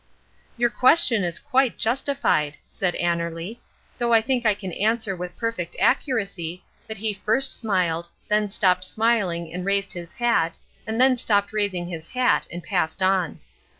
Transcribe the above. "Your question is quite justified," said Annerly, "though I think I can answer with perfect accuracy that he first smiled, then stopped smiling and raised his hat, and then stopped raising his hat and passed on."